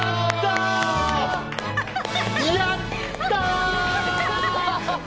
やったー！